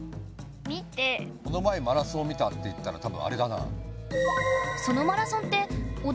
この前マラソンを見たって言ったらたぶんあれだな。